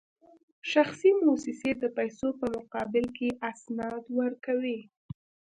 شخصي موسسې د پیسو په مقابل کې اسناد ورکوي